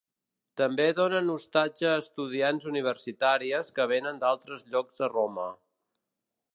També donen hostatge a estudiants universitàries que vénen d'altres llocs a Roma.